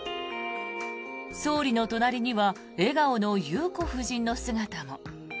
総理の隣には笑顔の裕子夫人の姿も。